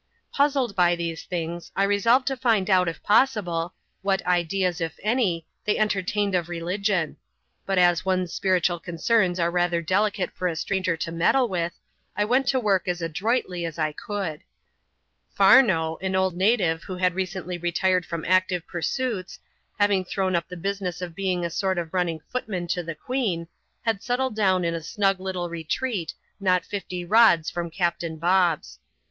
Puzzled by these things, I resolved to find out, if possible, what ideas, if any, they entertained of religion ; but as one's spiritual concerns are rather delicate for a stranger to meddle with, I went to work as adroitly as I could. Farnow, an old native who \va^ xee^n^X ^ ^^NAx^^^^ooiLWitive CHAP. XLVt] THE KANNAKIPPERS. 177 pursuits, having thrown up the business of being a sort of running footman to the queen, had settled down in a snug little retreat, not fifty rods from Captain Bob's.